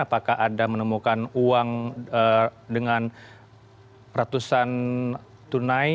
apakah ada menemukan uang dengan ratusan tunai